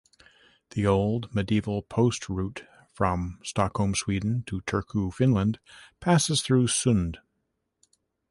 The old Medieval post route from Stockholm, Sweden to Turku, Finland passes through Sund.